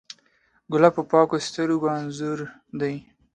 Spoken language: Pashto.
ګلاب د پاکو سترګو انځور دی.